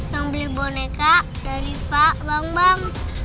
yang beli boneka dari pak bambang